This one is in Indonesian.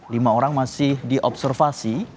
lima orang masih diobservasi